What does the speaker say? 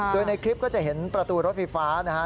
โดยในคลิปก็จะเห็นประตูรถไฟฟ้านะฮะ